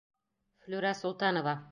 Флүрә СОЛТАНОВА.